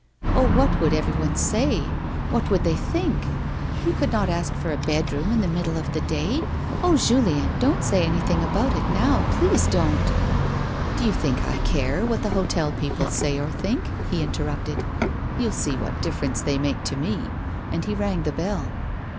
" Oh, what would everyone say 1 what would they think 1 You could not ask for a bedroom in the middle of the day. Oh, Julien, don't say anything about it now, please don't." " Do you think I care what the hotel people say or think 1 " he interrupted. " You'll see what difference they make to me." And he rang the bell.